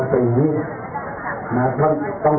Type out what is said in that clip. สวัสดีครับสวัสดีครับ